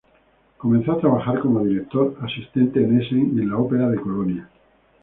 Comenzó a trabajar como director asistente en Essen y en la Ópera de Colonia.